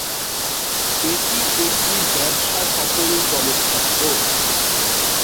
এটি একটি ব্যবসাসফল চলচ্চিত্র।